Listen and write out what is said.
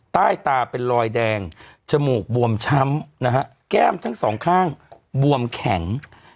ใต้ตาเป็นรอยแดงจมูกบวมช้ำนะฮะแก้มทั้งสองข้างบวมแข็ง